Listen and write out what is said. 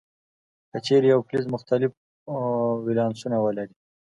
که چیرې یو فلز مختلف ولانسونه ولري.